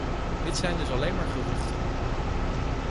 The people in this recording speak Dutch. Dit zijn dus alleen maar geruchten.